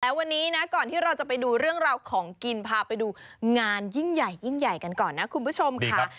แล้ววันนี้นะก่อนที่เราจะไปดูเรื่องราวของกินพาไปดูงานยิ่งใหญ่ยิ่งใหญ่กันก่อนนะคุณผู้ชมค่ะ